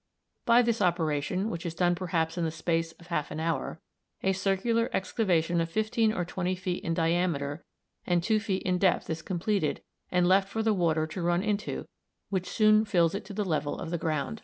By this operation, which is done perhaps in the space of half an hour, a circular excavation of fifteen or twenty feet in diameter and two feet in depth is completed and left for the water to run into, which soon fills it to the level of the ground.